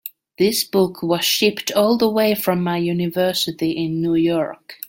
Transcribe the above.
This book was shipped all the way from my university in New York.